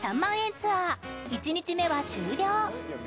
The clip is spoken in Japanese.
ツアー１日目は終了